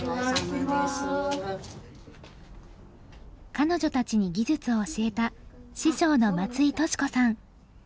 彼女たちに技術を教えた師匠の松井俊子さん。